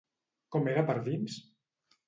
Com era per dins?